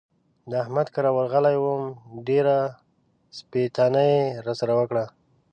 د احمد کره ورغلی وم؛ ډېره سپېتانه يې را سره وکړه.